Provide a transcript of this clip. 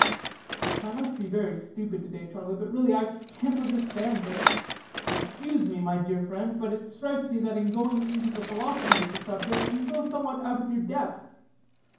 "I must be very stupid to day, Charlie, but really, I can't understand this. Excuse me, my dear friend, but it strikes me that in going into the philosophy of the subject, you go somewhat out of your depth."